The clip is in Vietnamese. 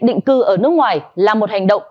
định cư ở nước ngoài là một hành động